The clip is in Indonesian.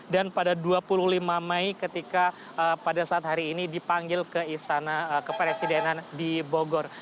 dan pada dua puluh lima mei ketika pada saat hari ini dipanggil ke istana kepresidenan di bogor